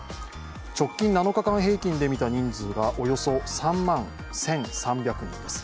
直近７日間平均でみた人数がおよそ３万１３００人です。